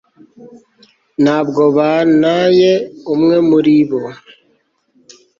Ntabwo bantaye umwe muri bo